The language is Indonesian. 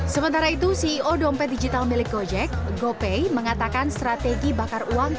sementara itu ceo dompet digital milik gojek gopay mengatakan strategi bakar uang